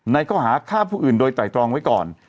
ในค่าขี้ผู้อื่นโดยตายตรองไว้ก่อน